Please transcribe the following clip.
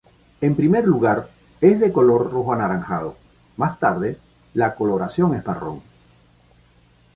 En primer lugar, es de color rojo-anaranjado, más tarde, la coloración es marrón.